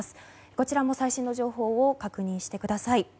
こちらも最新の情報を確認してください。